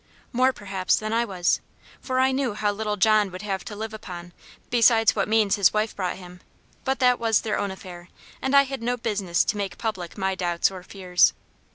More, perhaps, than I was; for I knew how little John would have to live upon besides what means his wife brought him; but that was their own affair, and I had no business to make public my doubts or fears.